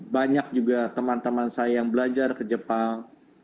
banyak juga teman teman saya yang belajar ke jepang